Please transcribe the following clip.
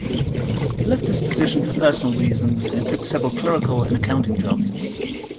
He left his position for personal reasons and took several clerical and accounting jobs.